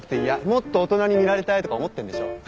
もっと大人に見られたいとか思ってんでしょ。